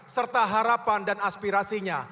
serta harapan dan aspirasinya